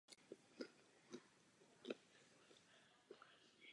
V přízemí a suterénu sídlí Lesní škola.